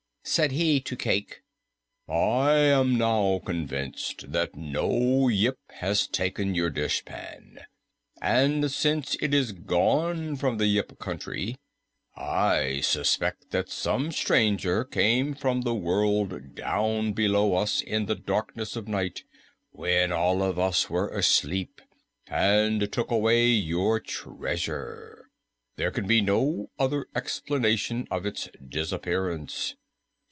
Said he to Cayke, "I am now convinced that no Yip has taken your dishpan, and since it is gone from the Yip Country, I suspect that some stranger came from the world down below us in the darkness of night when all of us were asleep and took away your treasure. There can be no other explanation of its disappearance.